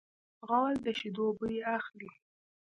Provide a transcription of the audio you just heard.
غول د شیدو بوی اخلي.